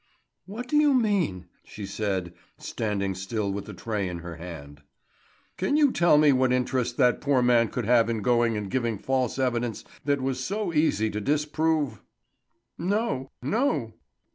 "What do you mean?" she said, standing still with the tray in her hand. "Can you tell me what interest that poor man could have in going and giving false evidence that was so easy to disprove?" "No, no?"